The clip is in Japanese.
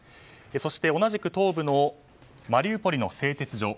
そして、同じく東部のマリウポリの製鉄所。